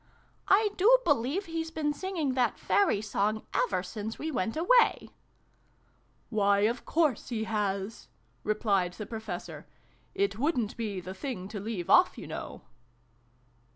" I do believe he's been singing that very song ever since we went away !"" Why, of course he has !" replied the Pro fessor. "It wouldn't be the thing to leave off, you know."